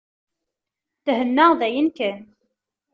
Thennaɣ dayen kan.